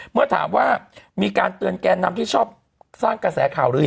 เมื่อถามว่ามีการเตือนแกนนำที่ชอบสร้างกระแสข่าวหรือ